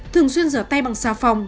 thường xuyên rửa tay bằng xa phòng